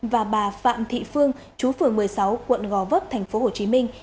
và bà phạm thị phương chú phường một mươi sáu quận gò vấp thành phố hồ chí minh